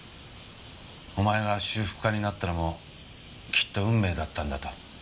お前が修復家になったのもきっと運命だったんだと。